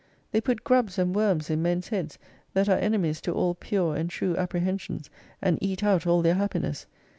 They put grubs and worms in men's heads that are enemies to all pure and true appre hensions, and eat out all their happiness.